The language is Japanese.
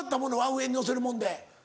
上にのせるもんで。